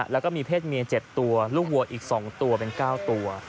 แล้วก็มีเพศเมีย๗ตัวลูกวัวอีก๒ตัวเป็น๙ตัว